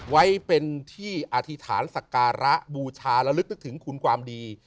ไว้เป็นที่อธิษฐานสักการะบูชาและลึกนึกถึงคุณความดี